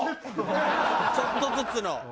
ちょっとずつの。